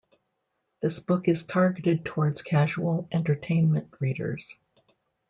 This book is targeted towards casual, entertainment readers.